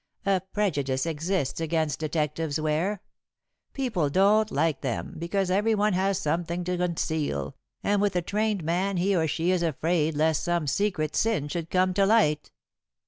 A prejudice exists against detectives, Ware. People don't like them, because every one has something to conceal, and with a trained man he or she is afraid lest some secret sin should come to light."